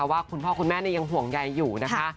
ว่าคุณพ่อคุณแม่ยังห่วงใยอยู่นะคะ